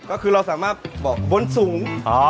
ก็คือเราสามารถบอกบนสูง